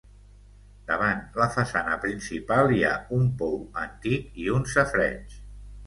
Davant la façana principal hi ha un pou antic i un safareig.